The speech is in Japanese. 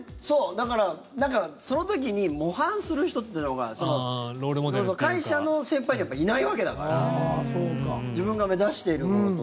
だから、その時に模範する人っていうのが会社の先輩にいないわけだから。自分が目指しているものと。